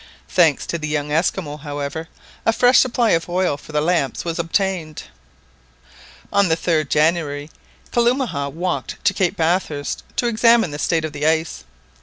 Thanks to the young Esquimaux, however, a fresh supply of oil for the lamps was obtained. On the 3rd January Kalumah walked to Cape Bathurst to examine the state of the ice.